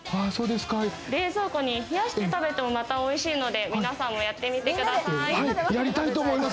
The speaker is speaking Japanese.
冷蔵庫に冷やして食べてもまたおいしいので、皆さんもやってみてください！